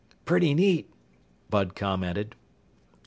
"Pretty neat," Bud commented.